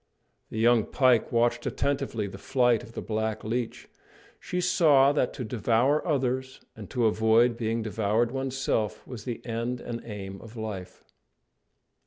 The young pike watched attentively the flight of the black leech. She saw that to devour others and to avoid being devoured oneself was the end and aim of life.